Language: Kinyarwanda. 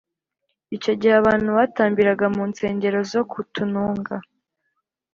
Icyo gihe abantu batambiraga mu nsengero zo ku tununga